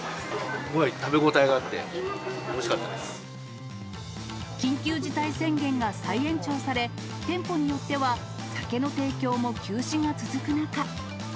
すごく食べ応えがあって、おいし緊急事態宣言が再延長され、店舗によっては、酒の提供も休止が続く中。